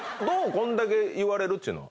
こんだけ言われるっちゅうのは。